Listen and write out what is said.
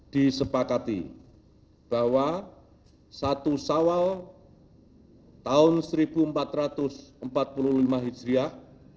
disepakati bahwa satu sawal tahun seribu empat ratus empat puluh lima hijriah